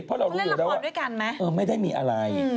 เพราะเรารู้อยู่แล้วว่าไม่ได้มีอะไร